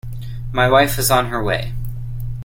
My wife is on her way.